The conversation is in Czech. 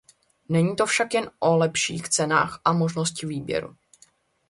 Není to však jen o lepších cenách a možnosti výběru.